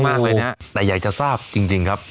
ถึงเรื่องของราคาที่จะนำส่งศพข้างประเทศ